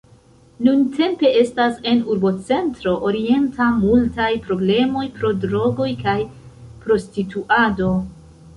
Nuntempe estas en Urbocentro Orienta multaj problemoj pro drogoj kaj prostituado.